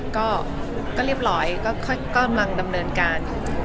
ก็เรียบร้อยบังดำเนินกัน